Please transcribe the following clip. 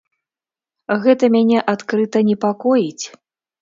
Гэта мяне адкрыта непакоіць.